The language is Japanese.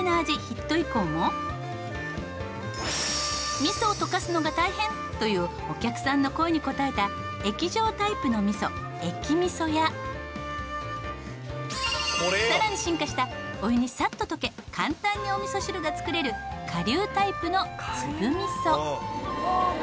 ヒット以降も「みそを溶かすのが大変」というお客さんの声に応えた液状タイプのみそ液みそや更に進化したお湯にサッと溶け簡単におみそ汁が作れる顆粒タイプの粒みそ。